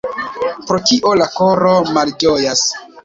Pro kio la koro malĝojas?